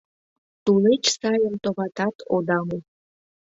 Тулеч сайым товатат ода му.